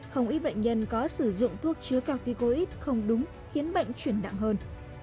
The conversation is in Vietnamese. hồng y bệnh nhân có sử dụng thuốc chứa corticoid không đúng khiến bệnh truyền nặng hơn